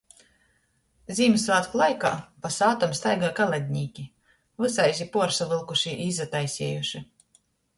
Zīmyssvātku laikā pa sātom staigoj kaladnīki, vysaiži puorsavylkuši i izataisejuši.